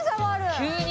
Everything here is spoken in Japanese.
急に。